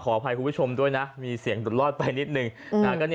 อภัยคุณผู้ชมด้วยนะมีเสียงดุดรอดไปนิดนึง